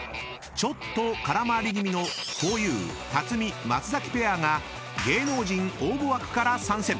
［ちょっと空回り気味のふぉゆ辰巳・松崎ペアが芸能人応募枠から参戦］